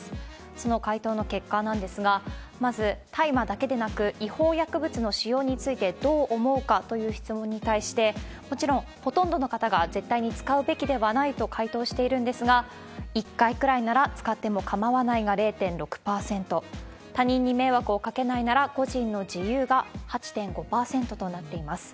その回答の結果なんですが、まず、大麻だけでなく、違法薬物の使用についてどう思うかという質問に対して、もちろん、ほとんどの方が絶対に使うべきではないと回答しているんですが、一回くらいなら使ってもかまわないが０．６％、他人に迷惑をかけないなら個人の自由が８．５％となっています。